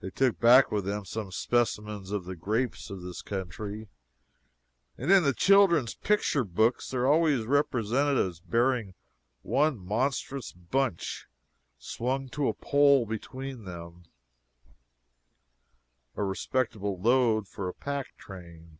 They took back with them some specimens of the grapes of this country, and in the children's picture books they are always represented as bearing one monstrous bunch swung to a pole between them, a respectable load for a pack train.